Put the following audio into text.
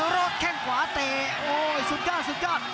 รถแข้งขวาแต่โอ้โหสุดยอดสุดยอด